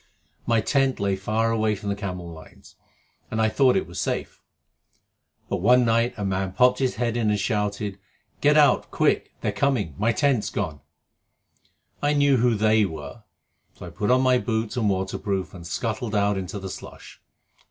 My tent lay far away from the camel lines, and I thought it was safe. But one night a man popped his head in and shouted, "Get out, quick! They're coming! My tent's gone!" I knew who "they" were, so I put on my boots and waterproof and scuttled out into the slush.